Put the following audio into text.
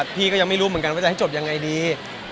พี่ก็ยังไม่รู้เหมือนกันว่าจะให้จบยังไงดี